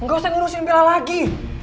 enggak usah ngurusin bella lagi